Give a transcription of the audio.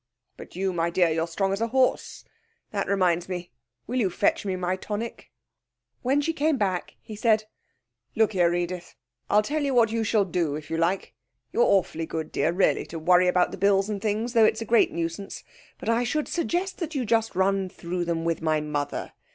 'But you, my dear you're as strong as a horse. That reminds me, will you fetch me my tonic?' When she came back, he said 'Look here, Edith, I'll tell you what you shall do, if you like. You're awfully good, dear, really, to worry about the bills and things, though it's a great nuisance, but I should suggest that you just run through them with my mother.